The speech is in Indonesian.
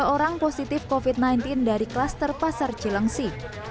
tiga puluh dua orang positif covid sembilan belas dari klaster pasar cilengsi